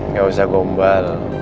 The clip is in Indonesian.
nggak usah gombal